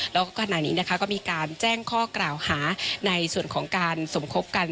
แล้วก็ขณะนี้นะคะก็มีการแจ้งข้อกล่าวหาในส่วนของการสมคบกัน